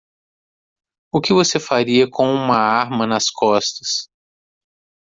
O que você faria com uma arma nas costas?